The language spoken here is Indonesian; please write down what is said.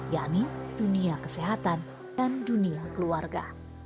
yakni dunia kesehatan dan dunia keluarga